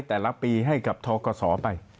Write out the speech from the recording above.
แต่ละปีให้กับทกศไป